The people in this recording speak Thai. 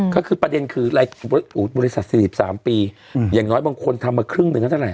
ใช่คือประเด็นคือบริษัทสี่สิบสามปีอย่างน้อยบางคนทำมาครึ่งหนึ่งแล้วเท่าไหร่